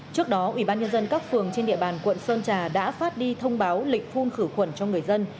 trước đó ủy ban nhân dân các phường trên địa bàn quận sơn trà đã phát đi thông báo lịch phun khử khuẩn cho người dân